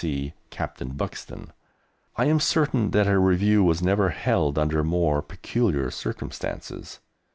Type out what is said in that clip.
D.C., Captain Buxton. I am certain that a review was never held under more peculiar circumstances.